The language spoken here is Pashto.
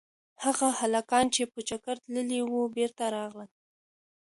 هغه هلکان چې په چکر تللي وو بېرته راغلل.